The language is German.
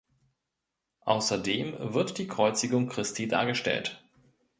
Außerdem wird die Kreuzigung Christi dargestellt.